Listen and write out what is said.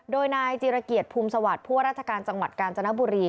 โดยนายจีรเกียรติภูมิสวัสดิ์ผู้ว่าราชการจังหวัดกาญจนบุรี